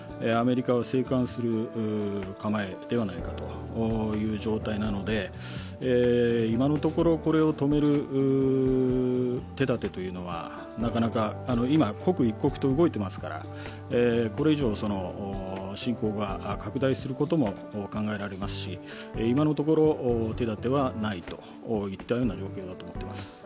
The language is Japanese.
アメリカは静観する構えではないかという状態なので今のところ、これを止める手だてはなかなか、今、刻一刻と動いていますからこれ以上、侵攻が拡大することも考えられますし、今のところ手だてはないといったような状況だと思います。